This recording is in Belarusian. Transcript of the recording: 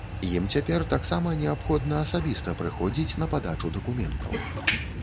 Ім цяпер таксама неабходна асабіста прыходзіць на падачу дакументаў.